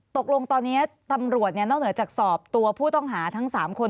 ตกลงตอนนี้ตำรวจนอกเหนือจากสอบตัวผู้ต้องหาทั้ง๓คน